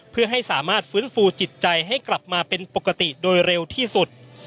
เพื่อให้สามารถฟื้นฟูจิตใจให้กลับมาเป็นปกติโดยเร็วที่สุด